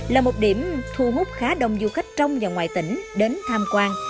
là một điểm thu hút khá đông du khách trong và ngoài tỉnh đến tham quan